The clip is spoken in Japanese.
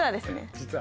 実は？